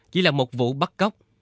chỉ là một vụ bắt cóc